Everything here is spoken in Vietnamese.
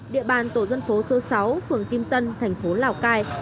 địa bàn tổ dân phố số sáu phường kim tân thành phố lào cai